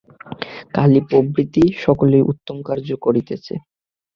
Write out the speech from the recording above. কালী প্রভৃতি সকলেই উত্তম কার্য করিতেছে।